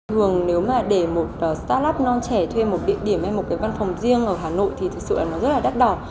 thường nếu mà để một start up non trẻ thuê một địa điểm hay một cái văn phòng riêng ở hà nội thì thực sự là nó rất là đắt đỏ